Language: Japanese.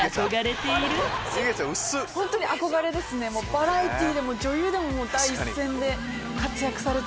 バラエティーでも女優でも第一線で活躍されてる。